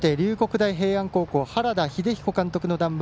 大平安高校原田英彦監督の談話